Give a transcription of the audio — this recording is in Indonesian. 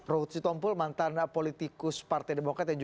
rohut sither tompul mantana politikus partai demokrat